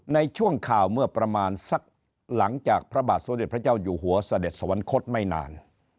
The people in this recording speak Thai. ในช่วงข่าวเมื่อประมาณสักหลังจากพระบาทสมเด็จพระเจ้าอยู่หัวเสด็จสวรรคตไม่นาน